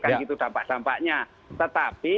kan gitu dampak dampaknya tetapi